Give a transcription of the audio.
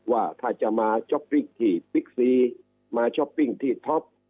ว่าถ้าจะมาช้อปปิ้งที่บิ๊กซีมาช้อปปิ้งที่ท็อป